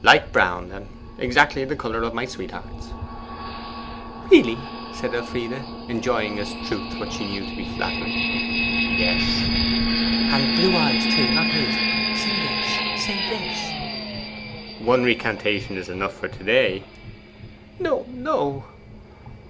'Light brown, then. Exactly the colour of my sweetheart's.' 'Really?' said Elfride, enjoying as truth what she knew to be flattery. 'Yes.' 'And blue eyes, too, not hazel? Say yes, say yes!' 'One recantation is enough for to day.' 'No, no.